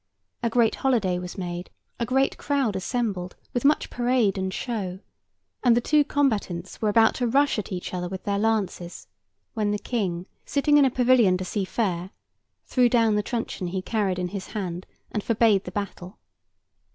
A great holiday was made; a great crowd assembled, with much parade and show; and the two combatants were about to rush at each other with their lances, when the King, sitting in a pavilion to see fair, threw down the truncheon he carried in his hand, and forbade the battle.